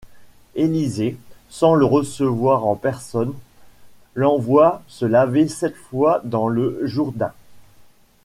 Élisée, sans le recevoir en personne, l'envoie se laver sept fois dans le Jourdain.